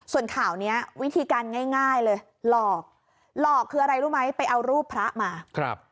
ส่วนข่าวเนี้ยวิธีการง่ายง่ายเลยหลอกหลอกคืออะไรรู้ไหมไปเอารูปพระมาครับ